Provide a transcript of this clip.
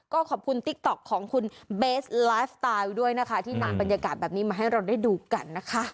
ก็ขอบคุณติ๊กต๊อกของคุณเบสไลฟ์สไตล์ด้วยนะคะที่นำบรรยากาศแบบนี้มาให้เราได้ดูกันนะคะ